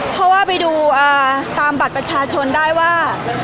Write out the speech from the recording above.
เพราะว่าไปดูตามบัตรประชาชนได้ว่า